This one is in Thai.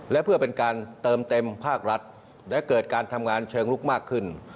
และเพื่อเป็นการเติมเต็มภาครัฐและเกิดการทำงานเชิงลุกมากขึ้น